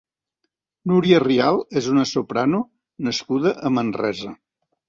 Núria Rial és una soprano nascuda a Manresa.